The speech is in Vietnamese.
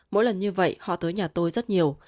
mỗi lần như vậy họ tới nhà tôi rất nhiều